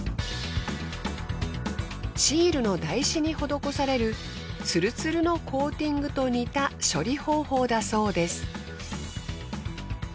シールの台紙に施されるツルツルのコーティングと似た処理方法だそうです。